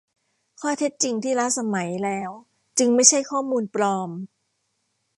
ข้อเท็จจริงที่ล้าสมัยแล้วจึงไม่ใช่ข้อมูลปลอม